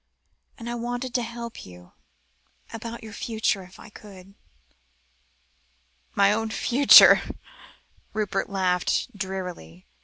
And I wanted to help you about your own future, if I could." "My own future," Rupert laughed drearily.